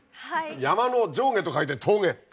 山の上下と書いて峠。